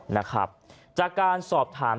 นะครับจากการสอบถาม